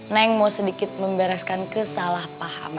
neng mau sedikit membereskan kesalahpahaman